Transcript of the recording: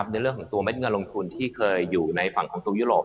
ในเรื่องของตัวเม็ดเงินลงทุนที่เคยอยู่ในฝั่งของตัวยุโรป